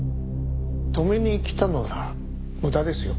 止めに来たのなら無駄ですよ。